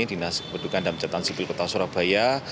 dinas kependudukan dan catatan sipil kota surabaya